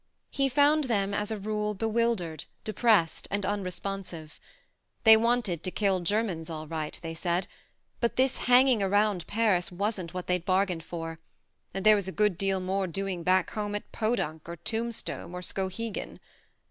He found them, as a rule, bewildered, depressed and unresponsive. They wanted to kill Germans all right, they said ; but this hanging around Paris wasn't what they'd bargained for, and there was a good deal more doing back home at Podunk or Tombstone or Skohegan.